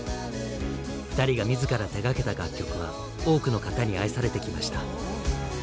ふたりが自ら手がけた楽曲は多くの方に愛されてきました。